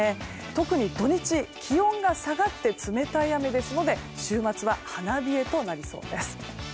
特に土日、気温が下がって冷たい雨ですので週末は花冷えとなりそうです。